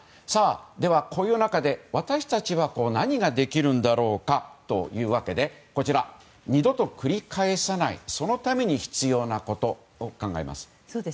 では、こういう中で私たちは何ができるんだろうかというわけで二度と繰り返さないそのために必要なことを考えます。